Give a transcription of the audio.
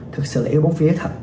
thực sự là yếu bóng phía thật